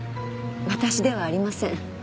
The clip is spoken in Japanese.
私ではありません。